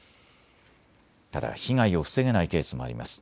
ただ被害を防げないケースもあります。